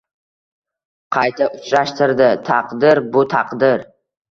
Qayta uchrashtirdi taqdir bu taqdir